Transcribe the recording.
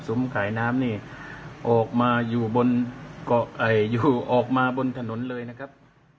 ขายน้ำนี่ออกมาอยู่บนเกาะอยู่ออกมาบนถนนเลยนะครับ